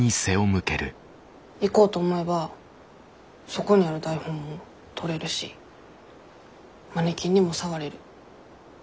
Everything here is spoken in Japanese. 行こうと思えばそこにある台本も取れるしマネキンにも触れる。